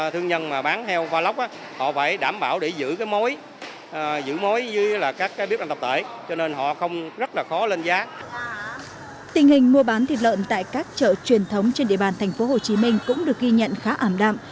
tình hình mua bán thịt lợn tại các chợ truyền thống trên địa bàn thành phố hồ chí minh cũng được ghi nhận khá ảm đạm